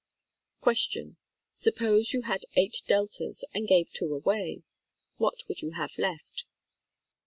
Q. Suppose you had eight Deltas and gave two away. What would you have left